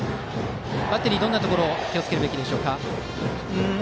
バッテリー、どんなところに気をつけるべきですか。